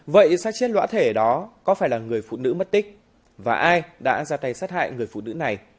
vậy sát chết lõa thể đó có phải là người phụ nữ mất tích và ai đã ra tay sát hại người phụ nữ này